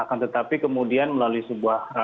akan tetapi kemudian melalui sebuah